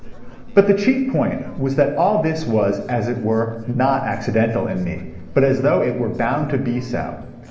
But the chief point was that all this was, as it were, not accidental in me, but as though it were bound to be so.